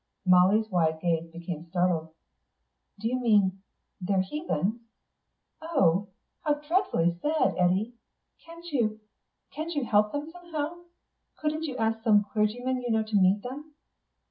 Molly's wide gaze became startled. "Do you mean they're heathens? Oh, how dreadfully sad, Eddy. Can't you ... can't you help them somehow? Couldn't you ask some clergyman you know to meet them?"